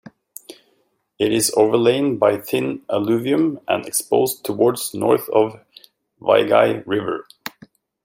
It is overlain by thin alluvium and exposed towards north of Vaigai River.